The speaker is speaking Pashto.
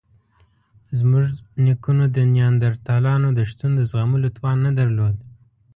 زموږ نیکونو د نیاندرتالانو د شتون د زغملو توان نه درلود.